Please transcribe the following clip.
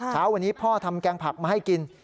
เช้าวันนี้พ่อทำแกงผักมาให้กิน